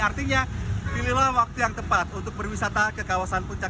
artinya pilihlah waktu yang tepat untuk berwisata ke kawasan puncak